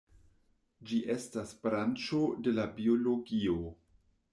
Ĝi estas branĉo de la biologio.